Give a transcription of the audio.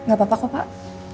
gak apa apa kok pak